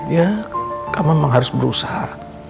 ya kamu memang harus berusaha